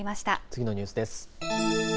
次のニュースです。